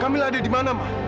kamila ada di mana ma